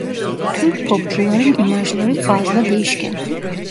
Türk popçuların imajları fazla değişken.